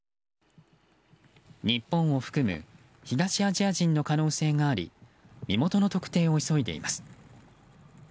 日本を含む東アジア人の可能性があり身元の特定を急いでいます。